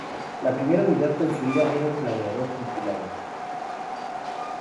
La primera unidad construida era un planeador tripulado.